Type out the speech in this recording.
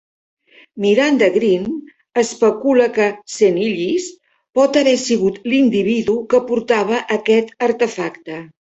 Miranda Green especula que Senilis pot haver sigut l'individu que portava aquest artefacte.